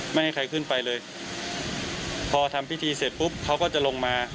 ไม่ให้ใครขึ้นไปเลยพอทำพิธีเสร็จปุ๊บเขาก็จะลงมา